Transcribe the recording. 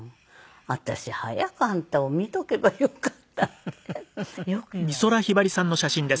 「私早くあんたを見ておけばよかった」ってよく言われた。